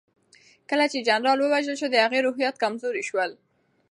کله چې جنرال ووژل شو د هغوی روحيات کمزوري شول.